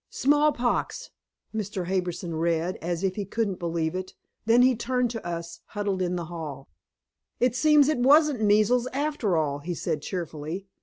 "Smallpox," Mr. Harbison read, as if he couldn't believe it. Then he turned to us, huddled in the hall. "It seems it wasn't measles, after all," he said cheerfully.